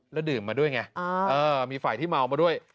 แล้วดื่มมาด้วยไงมีฝ่ายที่เมามาด้วย